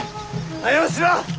早うしろ！